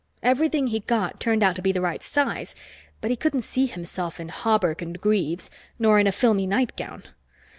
Everything he got turned out to be the right size, but he couldn't see himself in hauberk and greaves, nor in a filmy nightgown.